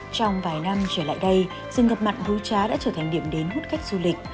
trong vài năm trở lại đây rừng ngập mặn hú trá đã trở thành điểm đến hút khách du lịch